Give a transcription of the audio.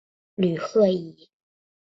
吕赫伊。